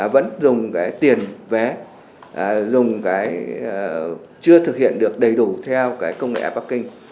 vẫn dùng cái tiền vé dùng cái chưa thực hiện được đầy đủ theo cái công nghệ airping